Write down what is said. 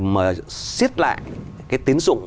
mà xiết lại cái tín dụng